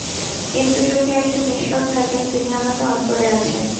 কিন্তু যদি একজন ঈশ্বর থাকেন, তিনি আমাদের অন্তরে আছেন।